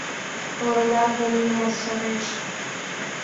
Колена гын ме сареш